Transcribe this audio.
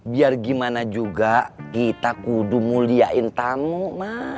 biar gimana juga kita kudu muliain tamu ma